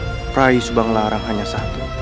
sampai kapanpun rai subang larang hanya satu